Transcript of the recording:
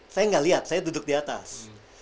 saya gak liat saya duduk di atas